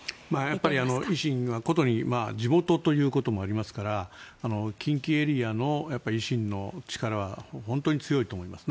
やっぱり維新が殊に地元ということもありますから近畿エリアの維新の力は本当に強いと思います。